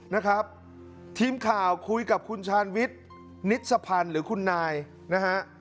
นะครับทีมข่าวคุยกับคุณชาญวิทย์นิสพันธ์หรือคุณนายนะฮะ